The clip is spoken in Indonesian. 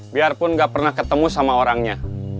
biarpun gak pernah ketemu sama orangnya